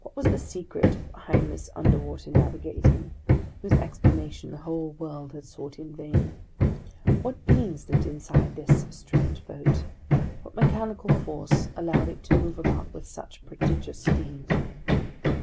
What was the secret behind this underwater navigating, whose explanation the whole world had sought in vain? What beings lived inside this strange boat? What mechanical force allowed it to move about with such prodigious speed?